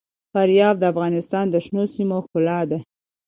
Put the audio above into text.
فاریاب د افغانستان د شنو سیمو ښکلا ده.